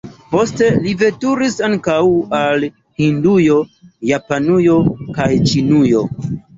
Poste li veturis ankaŭ al Hindujo, Japanujo kaj Ĉinujo.